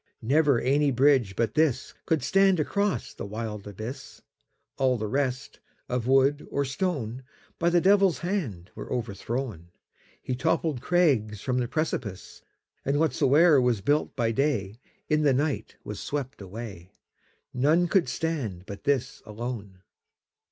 Never any bridge but thisCould stand across the wild abyss; All the rest, of wood or stone, By the Devil's hand were overthrown. He toppled crags from the precipice, And whatsoe'er was built by dayIn the night was swept away:None could stand but this alone.